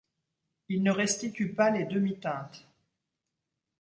Il ne restitue pas les demi-teintes.